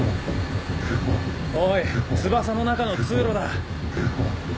おい翼の中の通路だ。